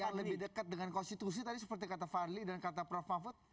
apakah lebih dekat dengan konstitusi tadi seperti kata fadli dan kata prof mahfud